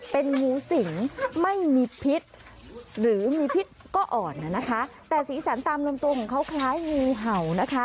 เป็นงูสิงไม่มีพิษหรือมีพิษก็อ่อนนะคะแต่สีสันตามลำตัวของเขาคล้ายงูเห่านะคะ